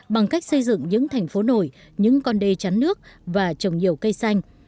bằng cách xây dựng những thành phố nổi những con đê chắn nước và trồng nhiều cây xanh